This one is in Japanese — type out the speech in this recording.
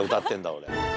俺。